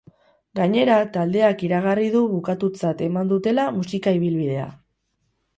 Gainera, taldeak iragarri du bukatutzat eman dutela musika-ibilbidea.